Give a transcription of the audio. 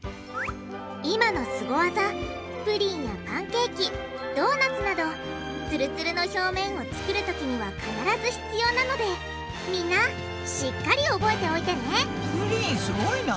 今のスゴ技プリンやパンケーキドーナツなどツルツルの表面を作るときには必ず必要なのでみんなしっかり覚えておいてねプリンすごいな。